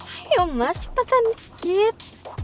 ayo mas cepetan dikit